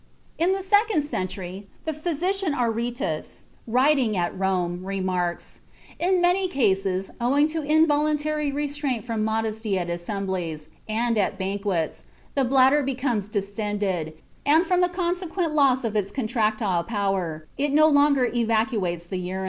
In the second century the physician Aretæus, writing at Rome, remarks: "In many cases, owing to involuntary restraint from modesty at assemblies, and at banquets, the bladder becomes distended, and from the consequent loss of its contractile power, it no longer evacuates the urine."